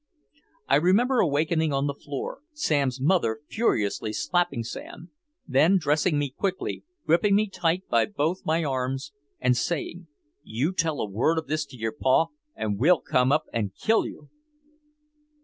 I remember awakening on the floor, Sam's mother furiously slapping Sam, then dressing me quickly, gripping me tight by both my arms and saying, "You tell a word of this to your pa and we'll come up and kill you!"